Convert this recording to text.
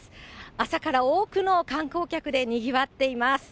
朝から多くの観光客でにぎわっています。